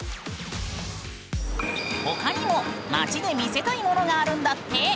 他にも街で見せたいものがあるんだって！